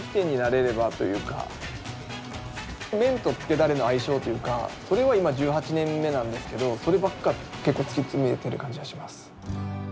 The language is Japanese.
麺とつけダレの相性というかそれは今１８年目なんですけどそればっか結構突き詰めてる感じがします。